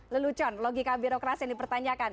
lelucon logika birokrasi yang dipertanyakan